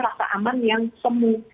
rasa aman yang semu